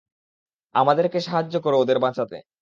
আমাদেরকে সাহায্য করো ওদের বাঁচাতে!